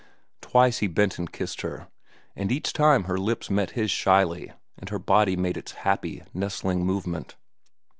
Twice he bent and kissed her, and each time her lips met his shyly and her body made its happy, nestling movement.